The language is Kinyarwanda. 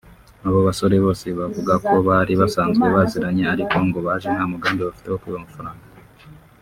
Abo basore bose bavuga ko bari basanzwe baziranye ariko ngo baje nta mugambi bafite wo kwiba amafaranga